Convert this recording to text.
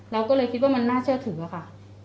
เราก็เลยคิดว่ามันน่าเชื่อถืออะค่ะ